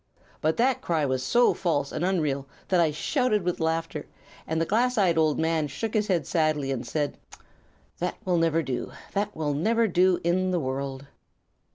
But that cry was so false and unreal that I just shouted with laughter, and the glass eyed old man shook his head sadly and said: 'That will never do. That will never do in the world.'